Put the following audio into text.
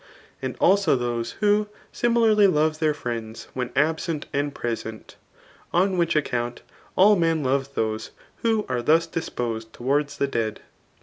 And also those who similarly love their friends when absent and present ; on which accowt . dl men love those who are thus disposed towards the dead.